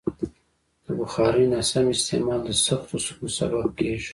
د بخارۍ ناسم استعمال د سختو ستونزو سبب کېږي.